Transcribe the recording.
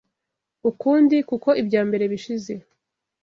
ukundi, kuko ibya mbere bishize